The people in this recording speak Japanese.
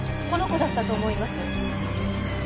この子だったと思います。